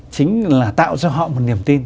chính là tạo cho họ một niềm tin